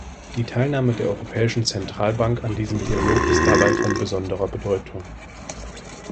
Die Teilnahme der Europäischen Zentralbank an diesem Dialog ist dabei von besonderer Bedeutung.